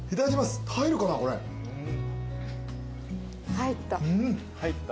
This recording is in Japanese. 入った。